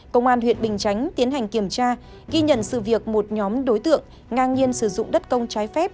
công an huyện bình chánh tiến hành kiểm tra ghi nhận sự việc một nhóm đối tượng ngang nhiên sử dụng đất công trái phép